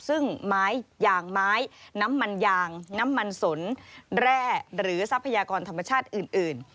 ซึ่งไม้ยางไม้น้ำมันยางน้ำมันสนแร่หรือทรัพยากรธรรมชาติอื่น